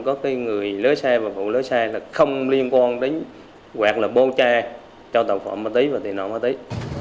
có cái người lưới xe và phụ lưới xe là không liên quan đến hoặc là bố tra cho tàu phạm ma túy và tiền nội ma túy